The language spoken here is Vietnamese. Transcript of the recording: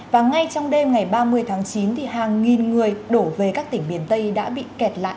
và ngay trong đêm ngày ba mươi tháng chín thì hàng nghìn người đổ về các tỉnh miền tây đã bị kẹt lại